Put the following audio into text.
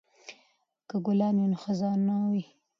که ګلان وي نو خزان نه وي.